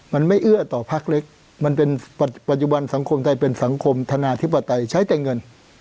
มันไม่เอื้อต่อพักเล็กมันเป็นปัจจุบันสังคมไทยเป็นสังคมธนาธิปไตยใช้แต่เงิน